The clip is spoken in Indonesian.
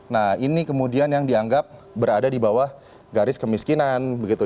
nah ini kemudian yang dianggap berada di bawah garis kemiskinan begitu